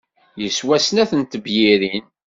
Yeswa snat n tebyirin.